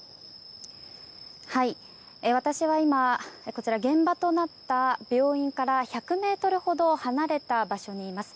私は今現場となった病院から１００ｍほど離れた場所にいます。